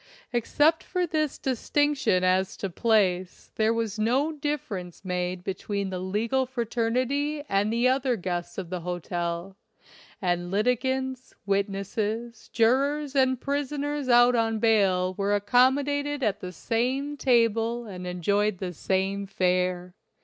Except for this dis tinction as to place, there was no difference made between the legal fraternity and the other guests of the hotel, and litigants, witnesses, jurors, and prisoners out on bail were accommodated at the 173 LINCOLN THE LAWYER same table and enjoyed the same fare.